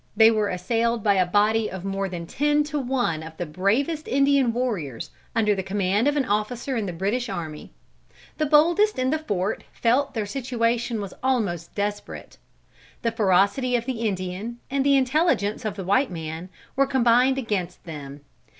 They were assailed by a body of more than ten to one of the bravest Indian warriors, under the command of an officer in the British army. The boldest in the fort felt that their situation was almost desperate. The ferocity of the Indian, and the intelligence of the white man, were combined against them.